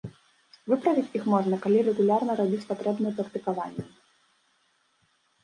Выправіць іх можна, калі рэгулярна рабіць патрэбныя практыкаванні.